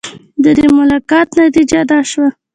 د دې ملاقات نتیجه دا شوه.